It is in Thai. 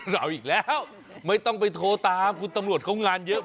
เราอีกแล้วไม่ต้องไปโทรตามคุณตำรวจเขางานเยอะ